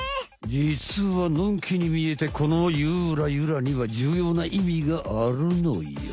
じつはのんきにみえてこのゆらゆらにはじゅうようないみがあるのよ。